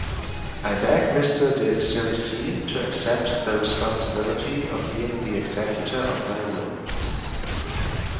I beg Mr. de Sérisy to accept the responsibility of being the executor of my will.